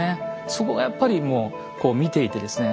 そこがやっぱりもうこう見ていてですね